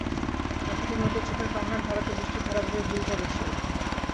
নাকি তুমি ওদের চোখের কান্নার ধারাকে বৃষ্টির ধারা ভেবে ভুল করছ?